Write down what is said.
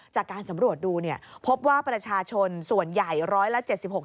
จากการสำรวจดูเนี่ยพบว่าประชาชนส่วนใหญ่ร้อยละ๗๖